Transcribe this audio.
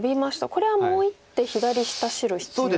これはもう１手左下白必要ですか。